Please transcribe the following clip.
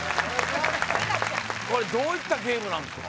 これどういったゲームなんですか？